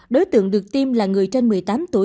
đối tượng được tiêm là người trên một mươi tám tuổi